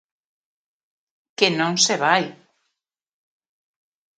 Que non se vai.